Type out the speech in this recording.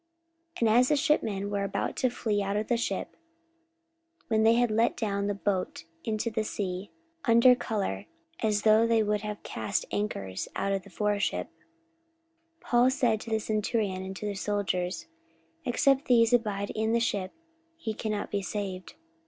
44:027:030 And as the shipmen were about to flee out of the ship, when they had let down the boat into the sea, under colour as though they would have cast anchors out of the foreship, 44:027:031 Paul said to the centurion and to the soldiers, Except these abide in the ship, ye cannot be saved.